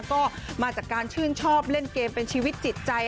ก็มาจากการชื่นชอบเล่นเกมเป็นชีวิตจิตใจ